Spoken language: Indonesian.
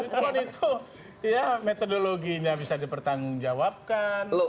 kwi count itu ya metodologinya bisa dipertanggung jawabkan